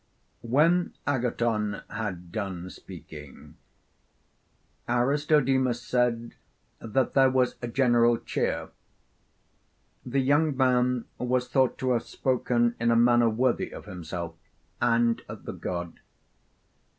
When Agathon had done speaking, Aristodemus said that there was a general cheer; the young man was thought to have spoken in a manner worthy of himself, and of the god.